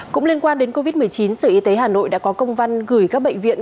cũng liên quan đến covid một mươi chín sở y tế hà nội đã có công văn gửi các bệnh viện